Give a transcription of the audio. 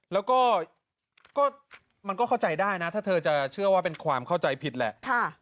แล้วก็มันก็เข้าใจได้นะถ้าเธอจะเชื่อว่าเป็นความเข้าใจผิดแหละ